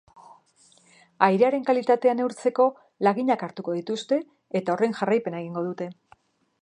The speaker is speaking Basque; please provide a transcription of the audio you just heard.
Airearen kalitatea neurtzeko laginak hartuko dituzte eta horren jarraipena egingo dute.